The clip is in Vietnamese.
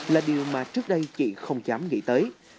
là điều mà trước đây chị không dám nghĩ tới